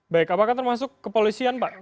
baik apakah termasuk kepolisian pak